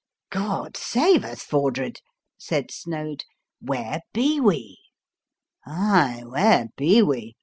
" God save us, Fordred! " said Snoad, " where be we? " 11 Aye, where be we?